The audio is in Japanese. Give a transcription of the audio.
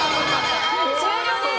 終了です。